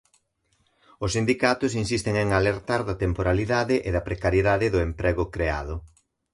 Os sindicatos insisten en alertar da temporalidade e da precariedade do emprego creado.